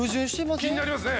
気になりますね